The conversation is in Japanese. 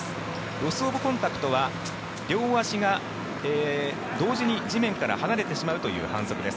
ロス・オブ・コンタクトは両足が同時に地面から離れてしまうという反則です。